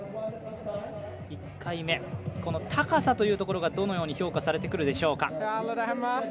１回目、この高さというところがどのように評価されてくるでしょうか。